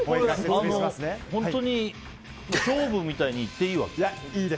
本当に勝負みたいにいっていいわけ？